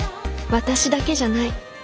私だけじゃない。